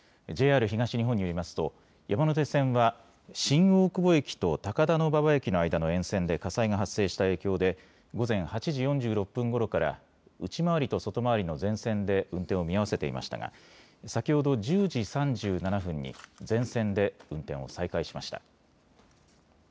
ＪＲ東日本によりますと山手線は新大久保駅と高田馬場駅の間の沿線で火災が発生した影響で午前８時４６分ごろから内回りと外回りの全線で運転を見合わせていましたが先ほど１０時３７分に全線で運転を再開しました。